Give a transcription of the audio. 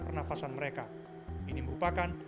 pernafasan mereka ini merupakan